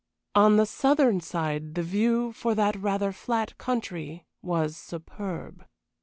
On the southern side the view, for that rather flat country, was superb.